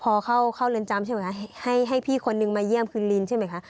พอเข้าเรือนจำใช่ไหมคะให้พี่คนนึงมาเยี่ยมคุณลินใช่ไหมคะ